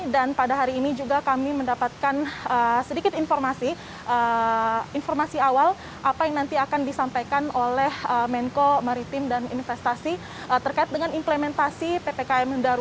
dan pada hari ini juga kami mendapatkan sedikit informasi informasi awal apa yang nanti akan disampaikan oleh menko maritim dan investasi terkait dengan implementasi ppkm